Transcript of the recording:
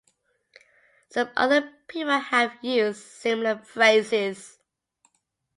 Some other people have used similar phrases.